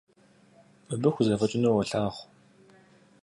Мыбы хузэфӀэкӀынур уолъагъу.